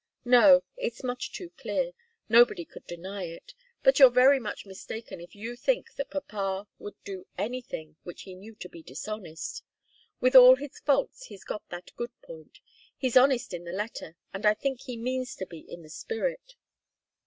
"No. It's much too clear. Nobody could deny it. But you're very much mistaken if you think that papa would do anything which he knew to be dishonest. With all his faults he's got that good point. He's honest in the letter, and I think he means to be in the spirit."